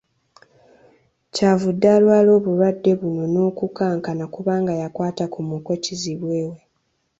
"Kyavudde alwala obulwadde buno, n’okukankana kubanga yakwata ku muko kizibwe we."